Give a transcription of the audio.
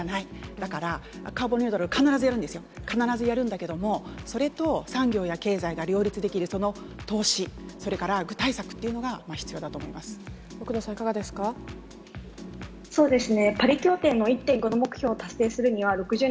だから、カーボンニュートラル、必ずやるんですよ、必ずやるんだけれども、それと産業や経済が両立できる、その投資、それから具体策ってい奥野さん、いかがですか。